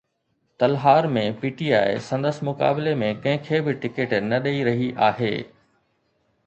Talhar ۾ P T I سندس مقابلي ۾ ڪنهن کي به ٽڪيٽ نه ڏئي رهي آهي.